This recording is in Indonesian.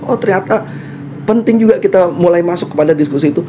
oh ternyata penting juga kita mulai masuk kepada diskusi itu